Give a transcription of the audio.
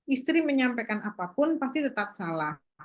istri menyampaikan apapun pasti tetap salah